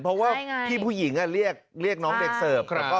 เพราะว่าพี่ผู้หญิงเรียกน้องเด็กเสิร์ฟ